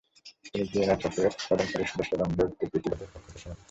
তিনি ভিয়েনা চক্রের প্রধান সারির সদস্য এবং যৌক্তিক ইতিবাদের প্রখ্যাত সমর্থক।